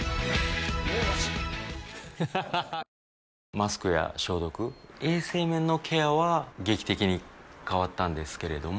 マスクや消毒衛生面のケアは劇的に変わったんですけれども